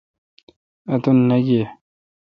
اتن نہ گیہ۔